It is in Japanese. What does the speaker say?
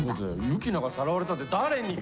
ユキナがさらわれたって誰に！？